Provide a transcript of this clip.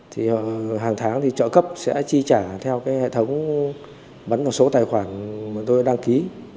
thì hàng tháng trợ cấp sẽ chi trả theo hệ thống bắn vào số tài khoản tôi đăng ký